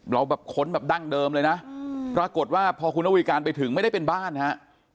เราแบบค้นแบบดั้งเดิมเลยนะปรากฏว่าพอคุณนวีการไปถึงไม่ได้เป็นบ้านฮะ